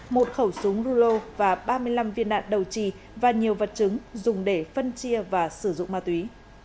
một khẩu súng rulo và ba mươi năm viên đạn đầu trì và nhiều vật chứng dùng để phân chia và sử dụng ma túy